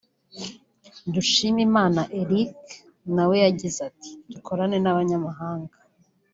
Dushimimana Eric na we yagize ati “Dukorana n’abanyamahanga